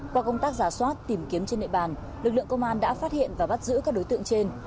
qua công tác giả soát tìm kiếm trên địa bàn lực lượng công an đã phát hiện và bắt giữ các đối tượng trên